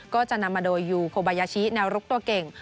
ก็จะนำมาโดยยูโคบายาชิแนวรุกตัวเก่ง